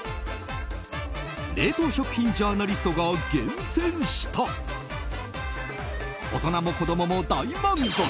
冷凍食品ジャーナリストが厳選した大人も子供も大満足！